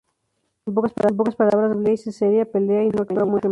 En pocas palabras, Blaze es seria, pelea y no actúa muy femenina.